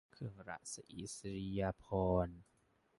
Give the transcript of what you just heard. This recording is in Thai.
เครื่องราชอิสริยาภรณ์